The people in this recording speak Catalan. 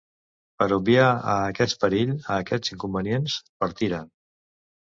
Per obviar a aquest perill, a aquests inconvenients, partiren.